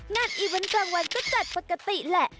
งานอีเว้นกลางวันก็จัดปกติแหละ